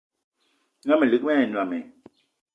Na melig wa e nnam i?